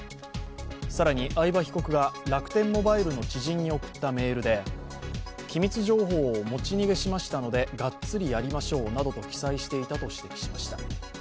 更に合場被告が楽天モバイルの知人に送ったメールで機密情報を持ち逃げしましたのでガッツリやりましょうなどと記載していたと指摘しました。